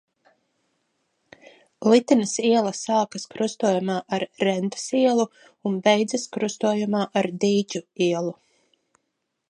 Litenes iela sākas krustojumā ar Rendas ielu un beidzas krustojumā ar Dīķu ielu.